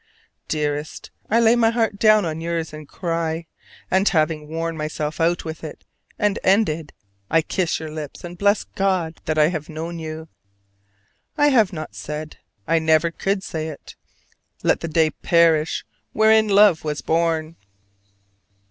Dearest, I lay my heart down on yours and cry: and having worn myself out with it and ended, I kiss your lips and bless God that I have known you. I have not said I never could say it "Let the day perish wherein Love was born!"